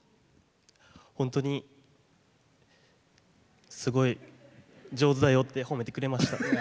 本当に、すごい上手だよって褒めてくれました。